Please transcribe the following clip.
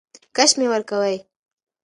کش مي ورکوی .